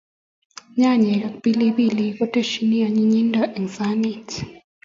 Nyanyej ak pilipilik kotesyin anyinyindo eng sanit